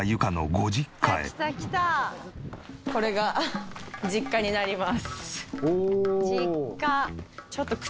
これが実家になります。